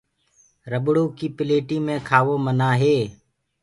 رٻڙو ڪيٚ پليٽي مي کآوو منآه هي۔